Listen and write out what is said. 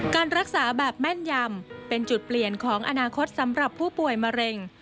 การรักษาแบบแม่นยำเป็นจุดเปลี่ยนของอนาคตสำหรับผู้ป่วยมะเร็ง